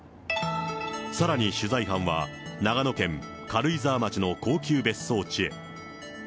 さらに取材班は、長野県軽井沢町の高級別荘地へ。